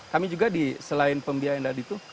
kami juga selain pembiayaan tadi itu